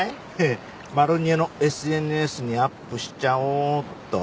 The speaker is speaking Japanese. マロニエのＳＮＳにアップしちゃおっと。